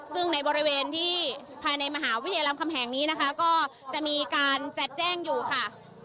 ซึ่งในบริเวณที่ภายในมหาวิทยาลำคำแห่งนี้นะคะก็จะมีการจัดแจ้งอยู่ค่ะ